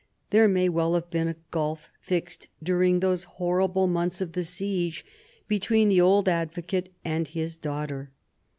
There may well have been a gulf fixed, during those horrible months of the siege, between the old advocate and his daughter.